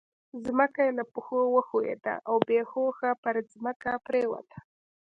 ځمکه يې له پښو وښوېده او بې هوښه پر ځمکه پرېوته.